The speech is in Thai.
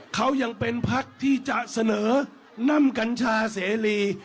เขายังเป็นพักที่จะเสนอนำกัญชาเสรี